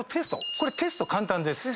これテスト簡単です。